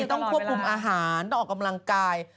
ต้องควบคุมอาหารต้องออกกำลังกาย